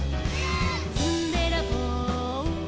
「ずんべらぼう」「」